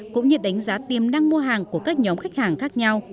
cũng như đánh giá tiềm năng mua hàng của các nhóm khách hàng khác nhau